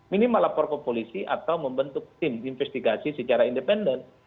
minimal lapor ke polisi atau membentuk tim investigasi secara independen